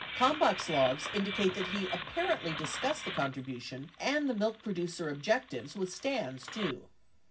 71 Kalmbach's logs indicate that he apparently discussed the contribution and the milk producer objectives with Stans, too.